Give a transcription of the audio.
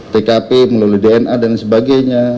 tkp melalui dna dan sebagainya